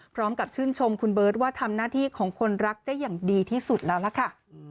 พร้อมกับชื่นชมคุณเบิร์ตว่าทำหน้าที่ของคนรักได้อย่างดีที่สุดแล้วล่ะค่ะ